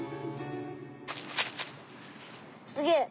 すげえ！